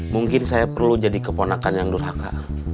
mungkin saya perlu jadi keponakan yang durhaka